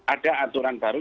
ada aturan baru